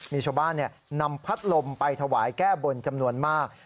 มีชาวบ้านนำพัดลมไปถวายแก้บนจำนวนมาก